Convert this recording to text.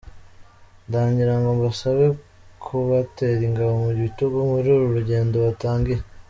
Ndagira ngo mbasabe kubatera ingabo mu bitugu muri uru rugendo batangiye.